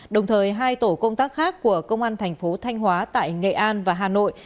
đồng thời hai tổ công tác khác của công an tp thanh hóa tại nghệ an và hà nội